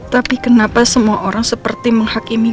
tapi kenapa semua orang seperti menghakimi